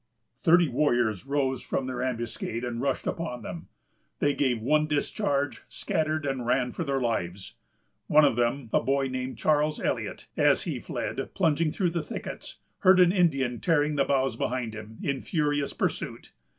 Thirty warriors rose from their ambuscade, and rushed upon them. They gave one discharge, scattered, and ran for their lives. One of them, a boy named Charles Eliot, as he fled, plunging through the thickets, heard an Indian tearing the boughs behind him, in furious pursuit.